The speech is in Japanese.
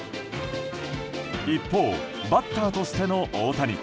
一方、バッターとしての大谷。